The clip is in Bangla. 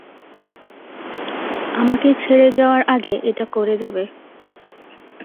আমাকে ছেড়ে যাওয়ার আগে এটা করে যাবে!